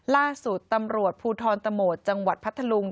ล่าสุดตำรวจภูทรตะโหมดจังหวัดพัทธลุง